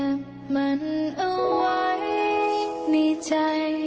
นิสนึกค่ะ